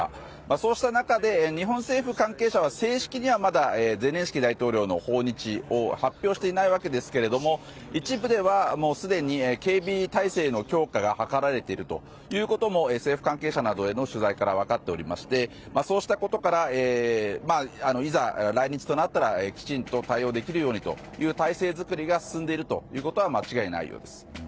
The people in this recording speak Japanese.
そうした中で日本政府関係者は正式にはまだゼレンスキー大統領の訪日を発表していないわけですけれども一部ではもうすでに警備態勢の強化が図られているということも政府関係者などへの取材から分かっておりましてそうしたことからいざ来日となったらきちんと対応できるようにという態勢作りが進んでいるということは間違いないようです。